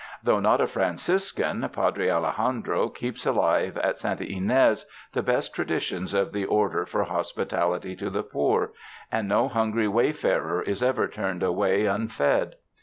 Though not a Franciscan, Pa dre Alejandro keeps alive at Santa Ynes the best traditions of the Order for hospitality to the poor, and no hungry wayfarer is ever turned away un fed.